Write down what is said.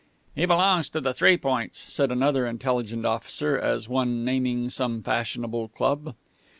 "He belongs to the Three Points," said another intelligent officer, as one naming some fashionable club.